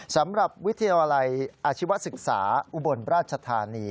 สำหรับวิทยาลัยอาชีวศึกษาอุบลราชธานี